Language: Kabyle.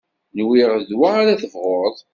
Nwiɣ d wa ara tebɣuḍ.